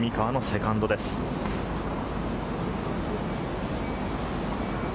蝉川のセカンドです。